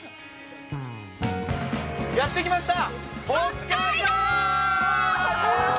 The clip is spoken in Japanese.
やって来ました。